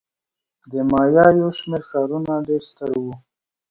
د مایا یو شمېر ښارونه ډېر ستر وو.